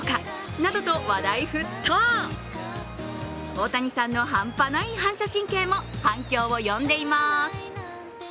大谷さんの半端ない反射神経も反響を呼んでいます。